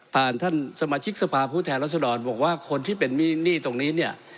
พาท่านสมาชิกสภาพภูมิแทนรัฐศรรดรบอกว่าคนที่เป็นมีหนี้ตรงนี้